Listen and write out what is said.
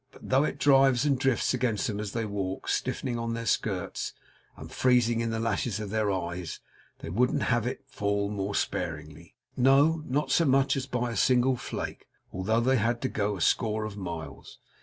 But though it drives and drifts against them as they walk, stiffening on their skirts, and freezing in the lashes of their eyes, they wouldn't have it fall more sparingly, no, not so much as by a single flake, although they had to go a score of miles.